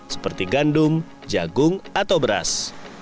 seperti gandum jagung atau beras